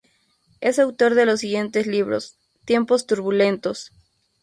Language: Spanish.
Es autor de los siguientes libros: "Tiempos Turbulentos.